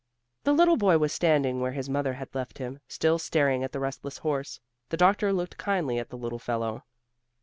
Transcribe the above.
The little boy was standing where his mother had left him, still staring at the restless horse. The doctor looked kindly at the little fellow.